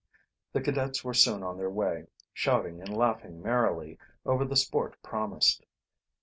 The cadets were soon on the way, shouting and laughing merrily over the sport promised.